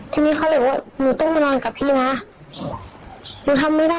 ทีนี้เขาเลยว่าหนูต้องมานอนกับพี่นะหนูทำไม่ได้